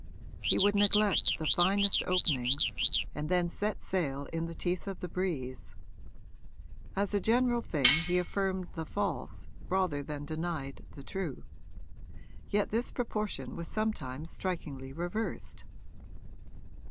He would neglect the finest openings and then set sail in the teeth of the breeze. As a general thing he affirmed the false rather than denied the true; yet this proportion was sometimes strikingly reversed.